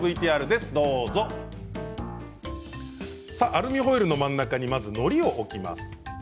アルミホイルの真ん中にのりを置きます。